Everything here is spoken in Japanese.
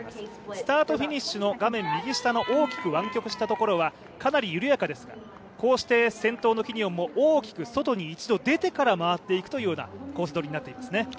スタートフィニッシュの画面右下の大きく湾曲したところはかなり緩やかですが、こうして先頭のキニオンも大きく外に一度出てから回っていくというようなコース取りになっていますね。